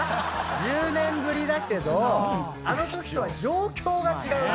１０年ぶりだけどあのときとは状況が違うぞ。